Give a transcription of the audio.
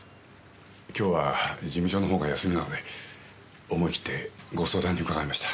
今日は事務所のほうが休みなので思い切ってご相談に伺いました。